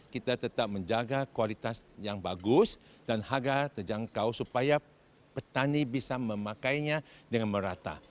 kita tetap menjaga kualitas yang bagus dan harga terjangkau supaya petani bisa memakainya dengan merata